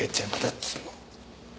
っつーの。